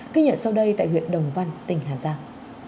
ghi nhận sau đây tại huyện đồng văn tỉnh hà giang